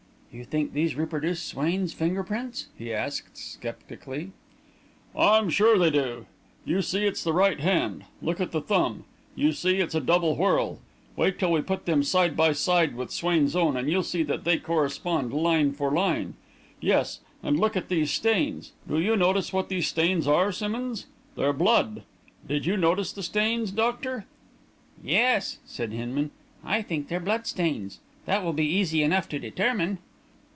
"You think these reproduce Swain's finger prints?" he asked, sceptically. "I'm sure they do! You see it's the right hand; look at the thumb you see it's a double whorl. Wait till we put them side by side with Swain's own, and you'll see that they correspond, line for line. Yes, and look at those stains. Do you know what those stains are, Simmonds? They're blood. Did you notice the stains, doctor?" "Yes," said Hinman. "I think they're blood stains. That will be easy enough to determine."